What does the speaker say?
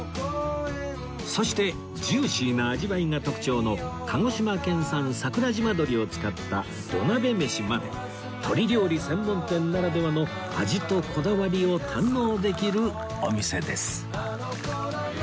そしてジューシーな味わいが特徴の鹿児島県産桜島どりを使った土鍋めしまで鶏料理専門店ならではの味とこだわりを堪能できるお店です